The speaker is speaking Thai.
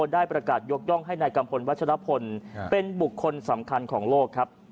ได้ประกาศยกย่องให้นายกัมพลวัชรพลเป็นบุคคลสำคัญของโลกครับ